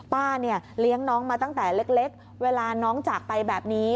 ป้าเนี่ยเลี้ยงน้องมาตั้งแต่เล็กเวลาน้องจากไปแบบนี้